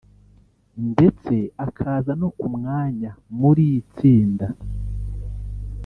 ndetse akaza no ku mwanya muri tsinda